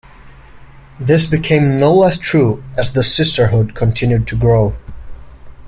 This became no less true as the sisterhood continued to grow.